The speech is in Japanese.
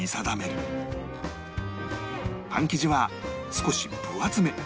パン生地は少し分厚め